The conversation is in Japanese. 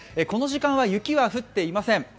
この時間は雪は降っていません。